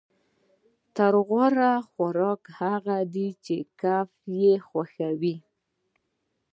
تر ټولو غوره خوراک هغه دی چې کب یې خوښوي